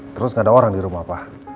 terus nggak ada orang di rumah pak